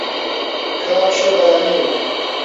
کال ښه باراني و.